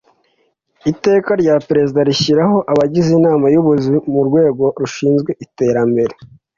iteka rya perezida rishyiraho abagize inama y ubuyobozi mu rwego rushinzwe iterambere